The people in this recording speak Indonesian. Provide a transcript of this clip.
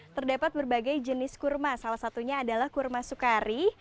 terdapat berbagai jenis kurma salah satunya adalah kurma sukari